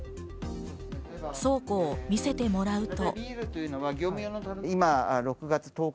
倉庫を見せてもらうと。